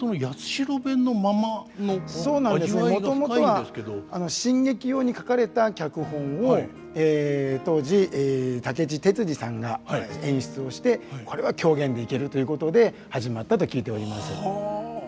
もともとは新劇用に書かれた脚本を当時武智鉄二さんが演出をして「これは狂言でいける」ということで始まったと聞いております。